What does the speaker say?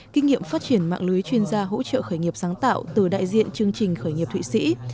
kinh nghiệm phát triển mạng lưới chuyên gia hỗ trợ khởi nghiệp sáng tạo từ đại diện chương trình khởi nghiệp thụy sĩ